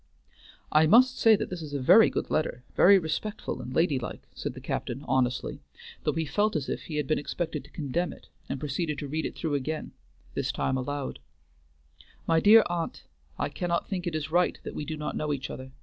"I must say that this is a very good letter, very respectful and lady like," said the captain honestly, though he felt as if he had been expected to condemn it, and proceeded to read it through again, this time aloud: MY DEAR AUNT, I cannot think it is right that we do not know each other.